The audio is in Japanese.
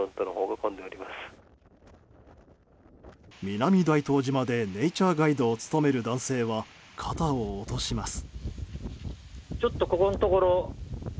南大東島でネイチャーガイドを務める男性は肩を落とします。